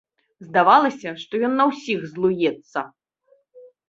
Здавалася, што ён на ўсіх злуецца.